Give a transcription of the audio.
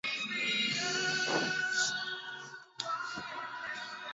Kisha akaongeza kwamba jambo ambalo serikali